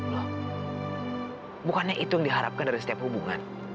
loh bukannya itu yang diharapkan dari setiap hubungan